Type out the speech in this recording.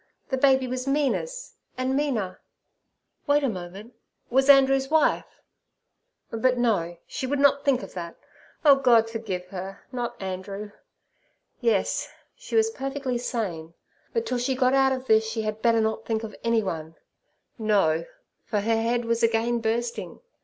The baby was Mina's, and Mina—wait a moment—was Andrew's wife. But no—she would not think of that. Oh, God forgive her! not Andrew. Yes, she was perfectly sane, but till she got out of this she had better not think of anyone. No, for her head was again bursting.